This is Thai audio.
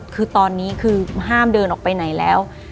คือตอนนี้คือห้ามเดินออกไปไหนแล้ว